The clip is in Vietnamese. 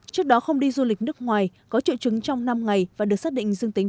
trước đó không đi du lịch nước ngoài có triệu chứng trong năm ngày và được xác định dương tính